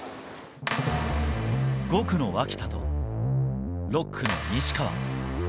５区の脇田と、６区の西川。